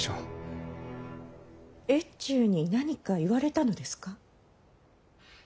越中に何か言われたのですか？